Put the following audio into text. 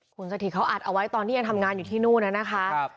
คุณสถิตเขาอัดเอาไว้ตอนที่ยังทำงานอยู่ที่นู่นน่ะนะคะ